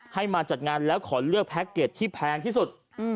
มาจัดงานแล้วขอเลือกแพ็คเกจที่แพงที่สุด